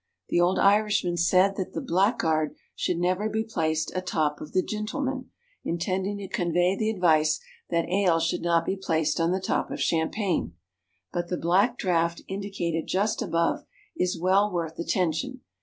The old Irishman said that the "blackgyard" should never be placed atop of the "gintleman," intending to convey the advice that ale should not be placed on the top of champagne. But the "black draught" indicated just above is well worth attention.